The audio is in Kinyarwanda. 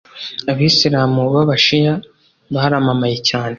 abisilamu b’abashiya baramamaye cyane